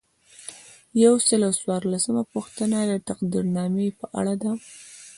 یو سل او څوارلسمه پوښتنه د تقدیرنامې په اړه ده.